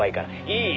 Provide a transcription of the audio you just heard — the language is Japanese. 「いい？